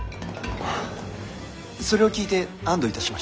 はあそれを聞いて安堵いたしました。